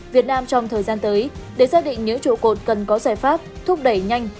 việt nam trong thời gian tới để xác định những trụ cột cần có giải pháp thúc đẩy nhanh